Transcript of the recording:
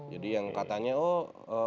jadi yang katanya oh